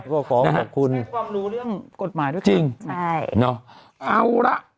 เคยความรู้เรื่องกฎหมายด้วยจริงน้าห์เอาล่ะ